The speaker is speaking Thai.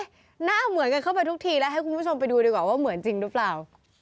หน้าเหมือนกันเข้าไปทุกทีแล้วให้คุณผู้ชมไปดูดีกว่าว่าเหมือนจริงหรือเปล่า